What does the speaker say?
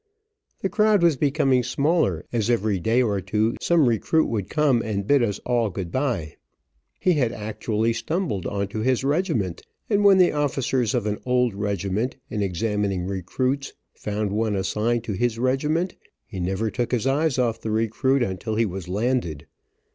The crowd was becoming smaller, as every day or two some recruit would come and bid us all good bye. He had actually stumbled on to his regiment, and when the officers of an old regiment, in examining recruits, found one assigned to his regiment, he never took his eyes off the recruit until he was landed.